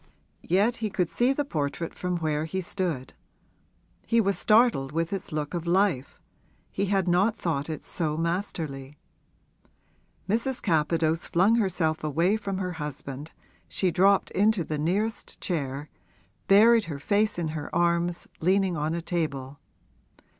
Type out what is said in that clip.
Yet he could see the portrait from where he stood; he was startled with its look of life he had not thought it so masterly. Mrs. Capadose flung herself away from her husband she dropped into the nearest chair, buried her face in her arms, leaning on a table.